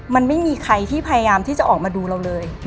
มันไม่มีใครที่พยายามที่จะออกมาดูเราเลย